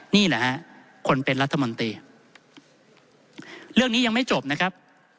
นี่แหละฮะคนเป็นรัฐมนตรีเรื่องนี้ยังไม่จบนะครับ